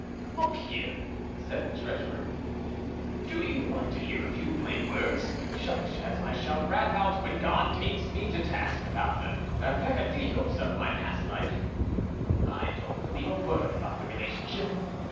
"Look here," said the treasurer, "do you want to hear a few plain words, such as I shall rap out when God takes me to task about the peccadilloes of my past life? I don't believe a word about the relationship.